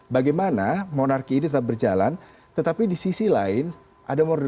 bagaimana monarki ini tetap berjalan tetapi di sisi lain ada morni